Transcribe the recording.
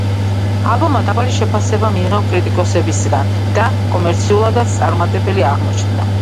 ალბომმა დაბალი შეფასება მიიღო კრიტიკოსებისგან და კომერციულადაც წარუმატებელი აღმოჩნდა.